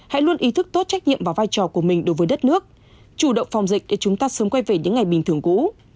hãy luôn ý thức tốt trách nhiệm và vai trò của mình đối với đất nước chủ động phòng dịch để chúng ta sớm quay về những ngày bình thường cũ